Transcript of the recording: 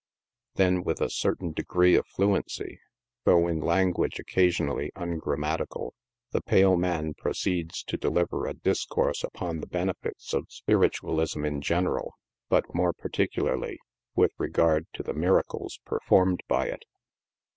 Then, with a certain degree of flu ency, though in language occasionally ungrammatical, the pale man proceeds to deliver a discourse upon the benefits of Spiritualism iu general, but, more particularly, with regard to the miracles per formed by it.